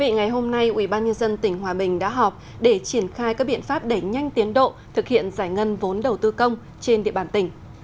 ngày hôm nay ubnd tỉnh hòa bình đã họp để triển khai các biện pháp đẩy nhanh tiến độ thực hiện giải ngân vốn đầu tư công trên địa bàn tỉnh